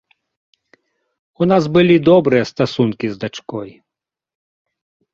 У нас былі добрыя стасункі з дачкой.